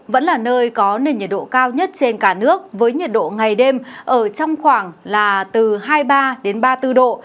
vẫn là nơi có nền nhiệt độ cao nhất trên cả nước với nhiệt độ ngày đêm ở trong khoảng là từ hai mươi ba đến ba mươi bốn độ